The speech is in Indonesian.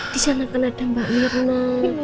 di sana kan ada mbak mirna